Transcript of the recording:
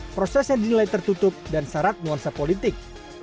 proses yang dinilai tertutup dan syarat nuansa politik